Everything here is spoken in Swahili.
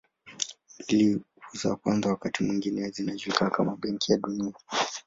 Mbili za kwanza wakati mwingine zinajulikana kama Benki ya Dunia.